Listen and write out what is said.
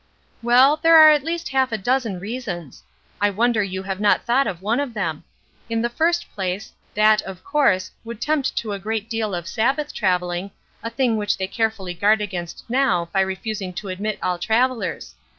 "Well, there are at least half a dozen reasons. I wonder you have not thought of one of them. In the first place, that, of course, would tempt to a great deal of Sabbath traveling, a thing which they carefully guard against now by refusing to admit all travelers.